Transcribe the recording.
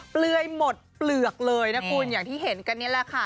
เปลือยหมดเปลือกเลยนะคุณอย่างที่เห็นกันนี่แหละค่ะ